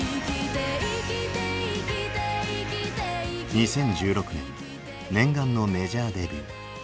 ２０１６年念願のメジャーデビュー。